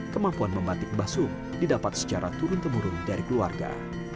kemampuan membatik basum didapat secara turun temurun dari keluarga